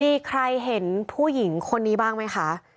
มีใครเห็นผู้หญิงคนนี้บ้างไหมคะ